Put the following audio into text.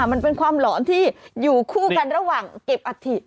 มันเป็นความหลอนที่อยู่คู่กันระหว่างเก็บอัฐิ